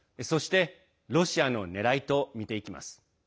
ロシアのねらいと見ていきます。